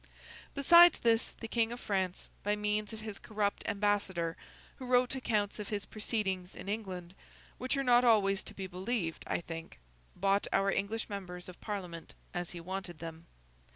Besides this, the King of France, by means of his corrupt ambassador—who wrote accounts of his proceedings in England, which are not always to be believed, I think—bought our English members of Parliament, as he wanted them.